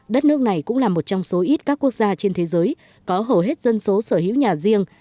đất nước này cũng là một trong số ít các quốc gia trên thế giới có hầu hết dân số sở hữu nhà riêng